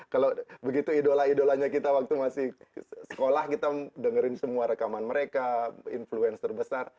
kalau begitu idola idolanya kita waktu masih sekolah kita dengerin semua rekaman mereka influence terbesar